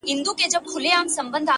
گراني په تاڅه وسول ولي ولاړې !